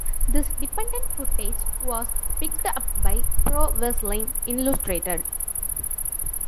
This independent footage was picked up by "Pro Wrestling Illustrated".